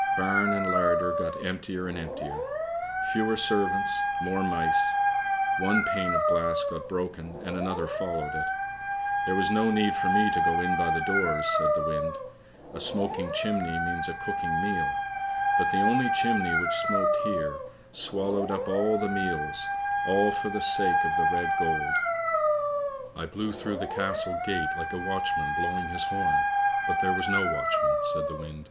" Barn and larder got emptier and emptier. Fewer servants; more mice. One pane of glass got broken and another followed it. There was no need for me to go in by the doors," said the wind. " A smoking chimney means a cooking meal, but the only chimney which smoked here, swallowed up all the meals, all for the sake of the red gold. " I blew through the castle gate like a watchman blowing his horn, but there was no watchman," said the wind.